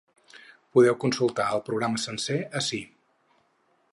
Podeu consultar el programa sencer ací.